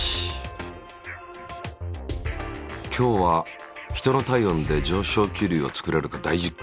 今日は人の体温で上昇気流を作れるか大実験。